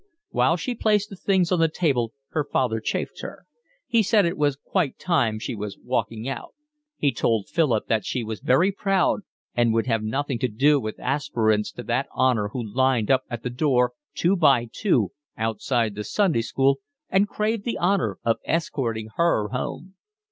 While she placed the things on the table her father chaffed her. He said it was quite time she was walking out; he told Philip that she was very proud, and would have nothing to do with aspirants to that honour who lined up at the door, two by two, outside the Sunday school and craved the honour of escorting her home.